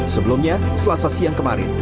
sebelumnya selasa siang kemarin